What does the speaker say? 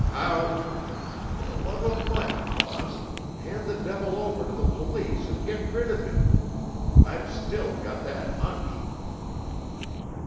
"How——" "For the love of Mike, boss, hand the devil over to the police and get rid of him. I've still got that hunch!"